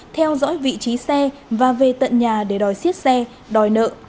theo dõi vị trí xe và về tận nhà để đòi xiết xe đòi nợ